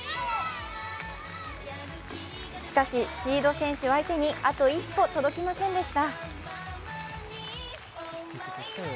しかし、シード選手相手にあと一歩届きませんでした。